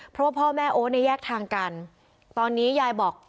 เพราะว่าพ่อแม่โอ๊ตเนี่ยแยกทางกันตอนนี้ยายบอก